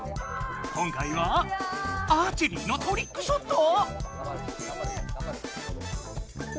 今回はアーチェリーのトリックショット⁉